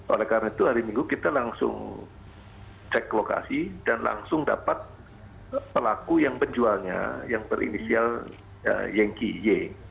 oleh karena itu hari minggu kita langsung cek lokasi dan langsung dapat pelaku yang penjualnya yang berinisial yengki y